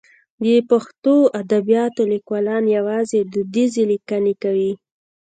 د پښتو ادبیاتو لیکوالان یوازې دودیزې لیکنې کوي.